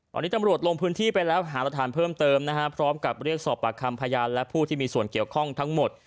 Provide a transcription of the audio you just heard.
ตอนนี้ตำรวจลงพื้นที่ไปแล้วหารักฐานเพิ่มเติมนะฮะพร้อมกับเรียกสอบปากคำพยานและผู้ที่มีส่วนเกี่ยวข้องทั้งหมด